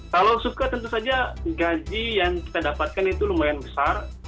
kalau suka tentu saja gaji yang kita dapatkan itu lumayan besar